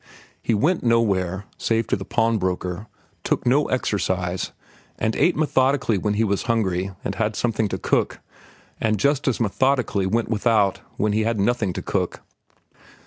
He went nowhere, save to the pawnbroker, took no exercise, and ate methodically when he was hungry and had something to cook, and just as methodically went without when he had nothing to cook.